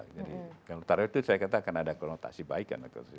kalau target itu saya kata akan ada konotasi baik